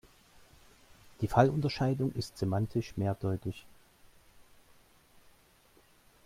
Die Fallunterscheidung ist semantisch mehrdeutig.